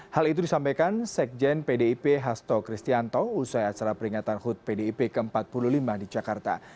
hal itu disampaikan sekjen pdip hasto kristianto usai acara peringatan hud pdip ke empat puluh lima di jakarta